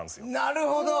なるほど！